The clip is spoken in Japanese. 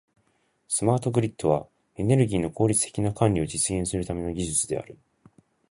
スマートグリッドは、エネルギーの効率的な管理を実現するための技術である。